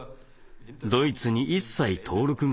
ドイツに一切登録がない。